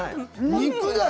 肉だよ！